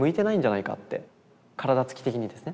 体つき的にですね。